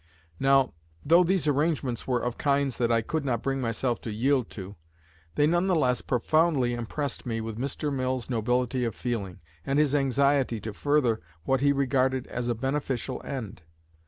Now, though these arrangements were of kinds that I could not bring myself to yield to, they none the less profoundly impressed me with Mr. Mill's nobility of feeling, and his anxiety to further what he regarded as a beneficial end.